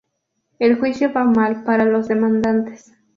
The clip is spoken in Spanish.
El juicio va mal para los demandantes.